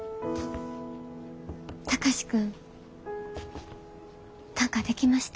貴司君短歌できました？